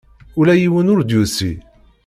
Ula yiwen ur d-yusi.